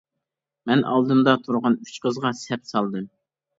مەن ئالدىمدا تۇرغان ئۈچ قىزغا سەپ سالدىم.